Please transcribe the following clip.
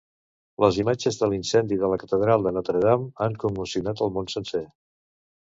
Les imatges de l'incendi de la catedral de Notre-Dame han commocionat el món sencer.